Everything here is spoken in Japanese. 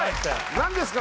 何ですか？